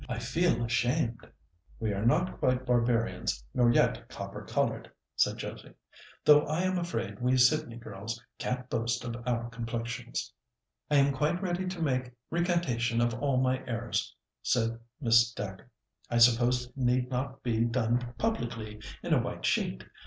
I feel ashamed." "We are not quite barbarians, nor yet copper coloured," said Josie; "though I am afraid we Sydney girls can't boast of our complexions." "I am quite ready to make recantation of all my errors," said Miss Dacre. "I suppose it need not be done publicly, in a white sheet.